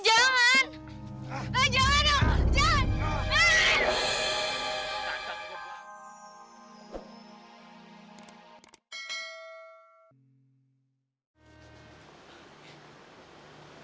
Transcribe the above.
jangan dong jangan